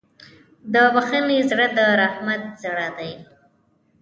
د بښنې زړه د رحمت زړه دی.